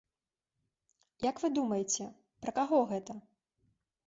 Як вы думаеце, пра каго гэта?